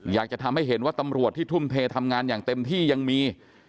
อยากจะทำให้เห็นว่าตำรวจที่ทุ่มเททำงานอย่างเต็มที่ยังมี